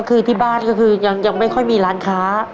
คือที่บ้านก็คือยังไม่ค่อยมีร้านค้า